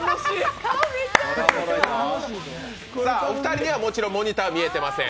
お二人にはもちろんモニター見えてません。